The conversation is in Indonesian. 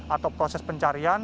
atau proses pencarian